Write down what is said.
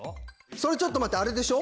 それちょっと待ってあれでしょ